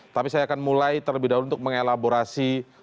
tapi saya akan mulai terlebih dahulu untuk mengelaborasi